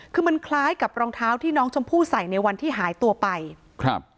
คือมันคล้ายกับรองเท้าที่น้องชมพู่ใส่ในวันที่หายตัวไปครับ